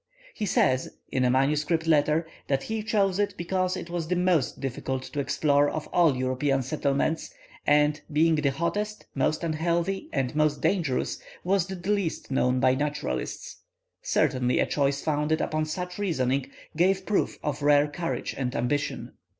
He says, in a manuscript letter, that he chose it because it was the most difficult to explore of all European settlements, and, being the hottest, most unhealthy, and most dangerous, was the least known by naturalists. Certainly a choice founded upon such reasoning gave proof of rare courage and ambition.